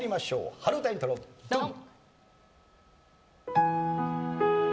春うたイントロドン！